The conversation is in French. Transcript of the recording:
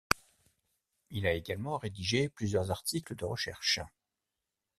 Il a également rédigé plusieurs articles de recherche.